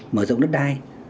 mở rộng đất đai